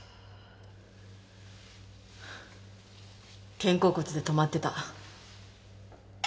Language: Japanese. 肩甲骨で止まってた。